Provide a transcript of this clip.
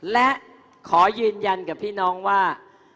และขอยืนยันกับพี่น้องว่า